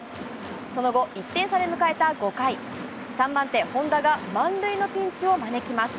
その後、１点差で迎えた５回、３番手・本田が満塁のピンチを招きます。